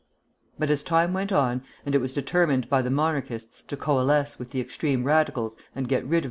But as time went on, and it was determined by the Monarchists to coalesce with the extreme Radicals and get rid of M.